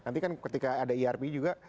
nanti kan ketika ada irp juga